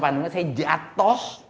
pandungnya saya jatuh